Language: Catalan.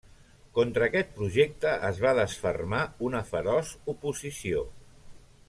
Contra aquest projecte es va desfermar una feroç oposició.